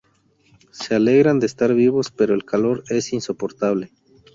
Se alegran de estar vivos, pero el calor es insoportable.